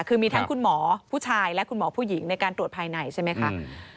คือมีทั้งคุณหมอผู้ชายและคุณหมอผู้หญิงในการตรวจภายในใช่ไหมคะ